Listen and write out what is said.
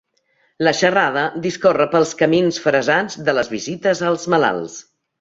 La xerrada discorre pels camins fressats de les visites als malalts.